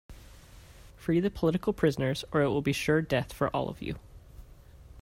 Free the political prisoners or it will be sure death for all of you.